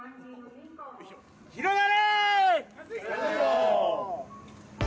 広がれー！